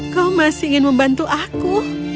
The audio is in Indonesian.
kau masih ingin membantu aku